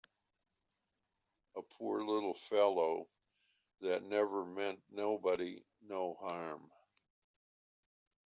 A poor little fellow that never meant nobody no harm!